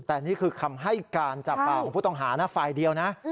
แต่นี่คือคำให้การจากปากของผู้ต้องหานะฝ่ายเดียวนะ